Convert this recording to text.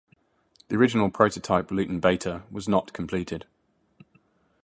The original prototype Luton Beta was not completed.